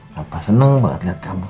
papa seneng banget liat kamu